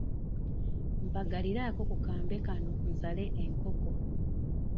Mpagaliraako ku kambe kano nsale enkoko.